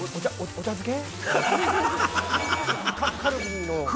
◆お茶漬け？